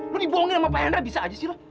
lo dibohongin sama pak hendra bisa aja sih lo